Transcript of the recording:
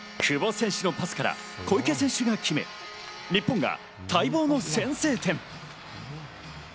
久保選手のパスから小池選手が決め日本が待望の先制点。